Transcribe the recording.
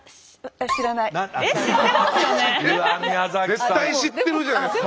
絶対知ってるじゃないですか！